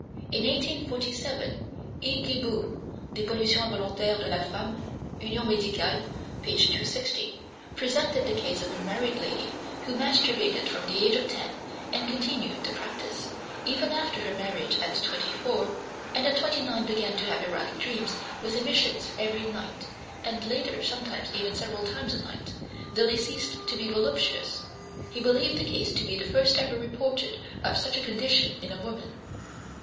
In 1847, E. Guibout ("Des Pollutions Involontaires chez la Femme," Union Médicale, p. 260) presented the case of a married lady who masturbated from the age of ten, and continued the practice, even after her marriage at twenty four, and at twenty nine began to have erotic dreams with emissions every few nights, and later sometimes even several times a night, though they ceased to be voluptuous; he believed the case to be the first ever reported of such a condition in a woman.